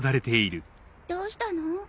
どうしたの？